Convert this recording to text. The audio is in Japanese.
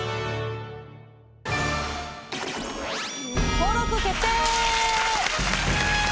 登録決定！